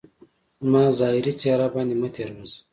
زما ظاهري څهره باندي مه تیروځه